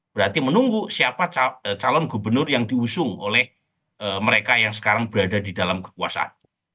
berarti menunggu siapa calon gubernur yang diusung oleh mereka yang sekarang berada di dalam kekuasaan